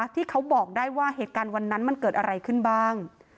ที่เขาบอกได้ว่าเหตุการณ์วันนั้นมันเกิดอะไรขึ้นบ้าง